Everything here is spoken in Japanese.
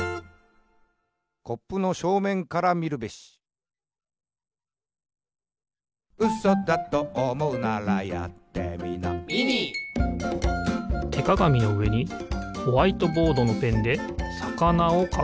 「コップのしょうめんからみるべし。」てかがみのうえにホワイトボードのペンでさかなをかく。